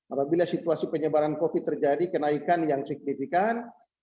apabila situasi penyebaran covid terjadi kenaikan yang signifikan